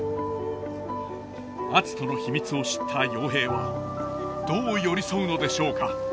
篤人の秘密を知った陽平はどう寄り添うのでしょうか。